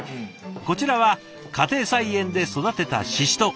こちらは家庭菜園で育てたししとう。